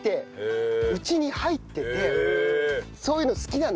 そういうの好きなのよ。